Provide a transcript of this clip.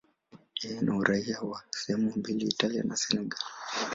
Yeye ana uraia wa sehemu mbili, Italia na Senegal.